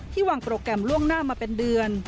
วางโปรแกรมล่วงหน้ามาเป็นเดือน